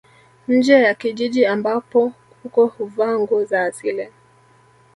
Nje ya kijiji ambapo huko huvaa nguo za asili